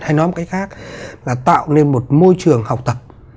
hay nói một cách khác là tạo nên một môi trường học tập